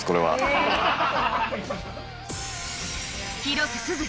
広瀬すず